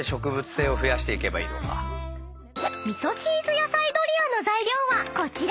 ［味噌チーズ野菜ドリアの材料はこちら］